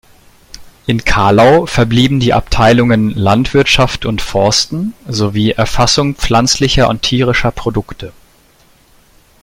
In Calau verblieben die Abteilungen "Landwirtschaft und Forsten" sowie "Erfassung pflanzlicher und tierischer Produkte".